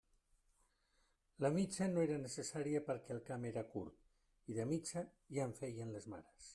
La mitja no era necessària perquè el camp era curt, i de mitja ja en feien les mares.